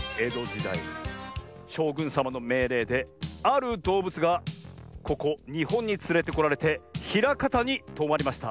だいしょうぐんさまのめいれいであるどうぶつがここにほんにつれてこられてひらかたにとまりました。